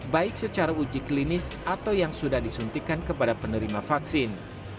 baik secara uji klinis atau yang sudah disuntikan kepada penerima vaksin